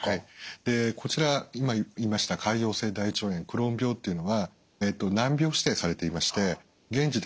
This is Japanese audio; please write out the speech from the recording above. こちら今言いました潰瘍性大腸炎クローン病っていうのは難病指定されていまして現時点で完治は難しいです。